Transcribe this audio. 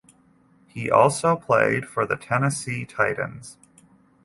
He also played for the Tennessee Titans.